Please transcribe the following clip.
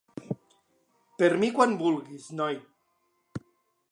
Per mi quan vulguis, noi.